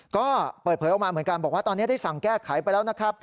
ก็เปิดเผยออกมาเหมือนกันบอกว่าตอนนี้ได้สั่งแก้ไขไปแล้วนะครับ